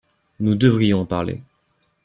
Nous devions en parler.